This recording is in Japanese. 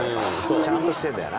ちゃんとしてんだよな。